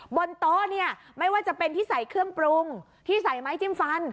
บนโต๊ะเนี่ยไม่ว่าจะเป็นที่ใส่เครื่องปรุงที่ใส่ไม้จิ้มฟัน